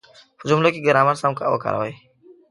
په جملو کې ګرامر سم وکاروئ.